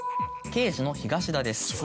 刑事の東田です。